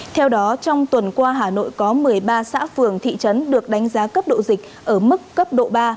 theo đó trong tuần qua hà nội có một mươi ba xã phường thị trấn được đánh giá cấp độ dịch ở mức cấp độ ba